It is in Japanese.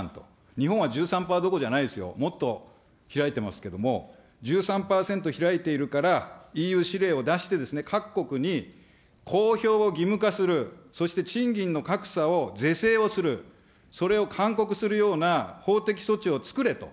日本は１３パーどこじゃないですよ、もっと開いてますけれども、１３％開いているから、ＥＵしれいを出して、各国に公表を義務化する、そして賃金の格差を是正をする、それを勧告するような法的措置を作れと。